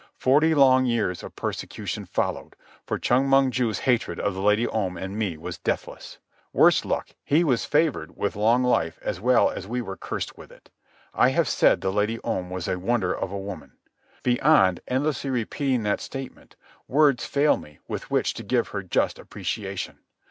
Forty long years of persecution followed, for Chong Mong ju's hatred of the Lady Om and me was deathless. Worse luck, he was favoured with long life as well as were we cursed with it. I have said the Lady Om was a wonder of a woman. Beyond endlessly repeating that statement, words fail me, with which to give her just appreciation.